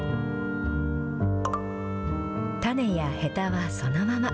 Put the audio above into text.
種やへたはそのまま。